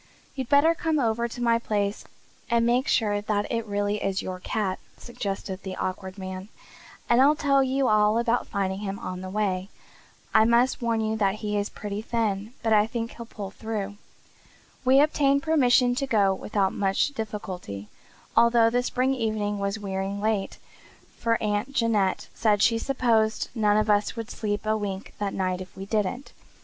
"You'd better come over to my place and make sure that it really is your cat," suggested the Awkward Man, "and I'll tell you all about finding him on the way. I must warn you that he is pretty thin but I think he'll pull through." We obtained permission to go without much difficulty, although the spring evening was wearing late, for Aunt Janet said she supposed none of us would sleep a wink that night if we didn't.